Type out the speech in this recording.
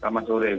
selamat sore bu